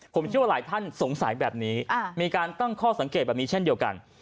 ผมเชื่อว่าหลายท่านสงสัยแบบนี้มีการตั้งข้อสังเกตแบบนี้เช่นเดียวกัน